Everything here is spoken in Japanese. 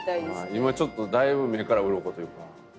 今ちょっとだいぶ「目からウロコ」というか。